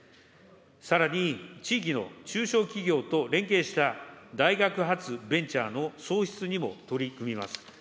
さらに地域の中小企業と連携した、大学発ベンチャーの創出にも取り組みます。